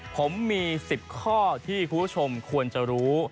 ผมมี๑๐ข้อที่คุณผู้ชมควรจะรู้